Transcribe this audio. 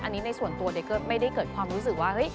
อันนี้ในส่วนตัวเด็กก็ไม่ได้เกิดความรู้สึกว่าเฮ้ย